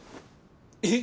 えっ！？